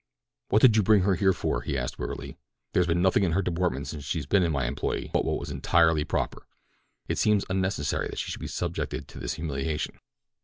"What did you bring her here for?" he asked wearily. "There has been nothing in her deportment since she has been in my employ but what was entirely proper. It seems unnecessary that she should be subjected to this humiliation."